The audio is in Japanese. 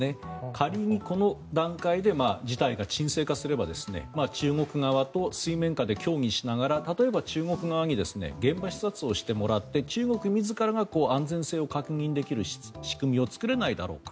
仮にこの段階で事態が沈静化すれば中国側と水面下で協議しながら例えば中国側に現場視察をしてもらって中国自らが安全性を確認できる仕組みを作れないだろうか。